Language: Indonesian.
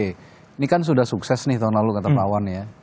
ini kan sudah sukses nih tahun lalu kata pak wan ya